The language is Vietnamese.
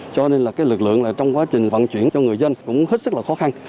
cho nên là cái lực lượng trong quá trình vận chuyển cho người dân cũng hết sức là khó khăn